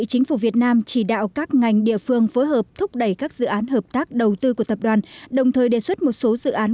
chính phủ việt nam chỉ đạo các ngành địa phương phối hợp thúc đẩy các dự án hợp tác đầu tư của tập đoàn đồng thời đề xuất một số dự án